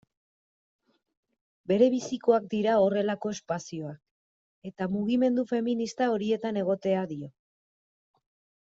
Berebizikoak dira horrelako espazioak, eta mugimendu feminista horietan egotea, dio.